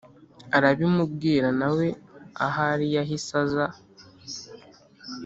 arabimubwira nawe ahari yahise aza